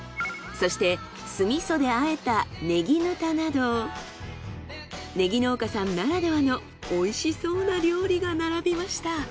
そして酢味噌で和えたねぎぬたなどねぎ農家さんならではの美味しそうな料理が並びました。